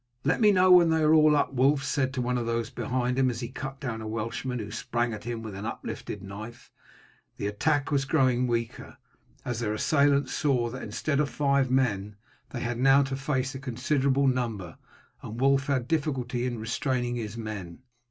"Let me know when they are all up," Wulf said to one of those behind him, as he cut down a Welshman who sprang at him with uplifted knife. The attack was growing weaker, as their assailants saw that instead of five men they had now to face a considerable number, and Wulf had difficulty in restraining his men.